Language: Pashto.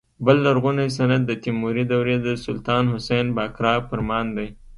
بل لرغونی سند د تیموري دورې د سلطان حسن بایقرا فرمان دی.